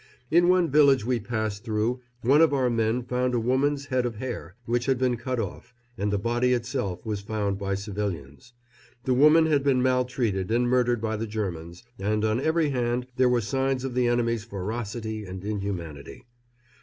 In one village we passed through one of our men found a woman's head of hair, which had been cut off, and the body itself was found by civilians. The woman had been maltreated and murdered by the Germans, and on every hand there were signs of the enemy's ferocity and inhumanity.